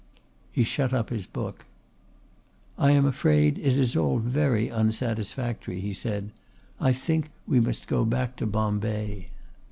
He shut up his book. "I am afraid it is all very unsatisfactory," he said. "I think we must go back to Bombay."